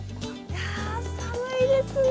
や寒いですね。